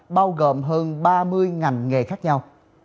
bao gồm hơn ba mươi ngành nghề khác nhau